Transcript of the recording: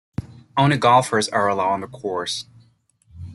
Only golfers are allowed on the course.